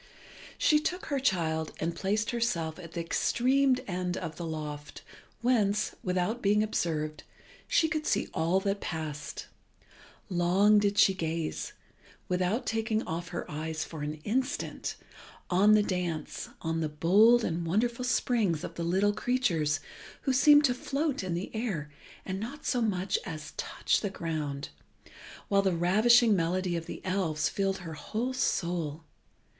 She took her child and placed herself at the extreme end of the loft whence, without being observed, she could see all that passed. Long did she gaze, without taking off her eyes for an instant, on the dance, on the bold and wonderful springs of the little creatures who seemed to float in the air and not so much as to touch the ground, while the ravishing melody of the elves filled her whole soul.